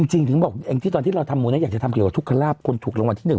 จริงถึงบอกตอนที่เราทำผมอยากจะทำเกี่ยวกับทุกขลาดคนถูกรางวัลที่หนึ่ง